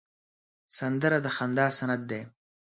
سندره د خندا سند دی